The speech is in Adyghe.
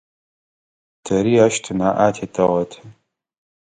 Тэри ащ тынаӏэ атетэгъэты.